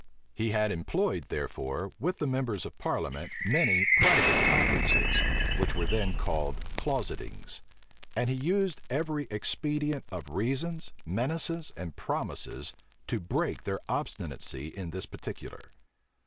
He had employed, therefore, with the members of parliament many private conferences, which were then called "closetings;" and he used every expedient of reasons, menaces, and promises to break their obstinacy in this particular.